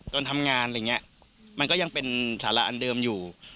ตอนทำงานอะไรอย่างนี้มันก็ยังเป็นสาระอันเดิมอยู่